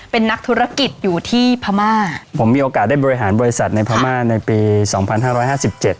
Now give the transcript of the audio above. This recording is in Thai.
เป็นนักธุรกิจอยู่ที่พม่าผมมีโอกาสได้บริหารบริษัทในพม่าในปีสองพันห้าร้อยห้าสิบเจ็ด